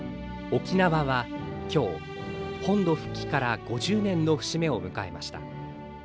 沖縄は今日、本土復帰から５０年の節目を迎えました。